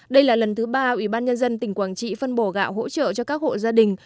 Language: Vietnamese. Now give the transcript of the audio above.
đây là lần thứ ba ủy ban nhân dân tỉnh quảng trị phân bổ gạo hỗ trợ cho các hộ gia đình